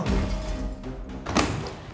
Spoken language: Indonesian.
gara gara temen lu